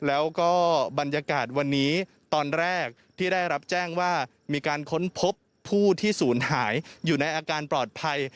แล้วก็บรรยากาศวันนี้ตอนแรกที่ได้รับแจ้งว่ามีการค้นพบผู้ที่ศูนย์หายอยู่ในอาการปลอดภัย